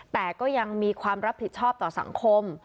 แต่ก็ยังมีความรับผิดชอบต่อสังคม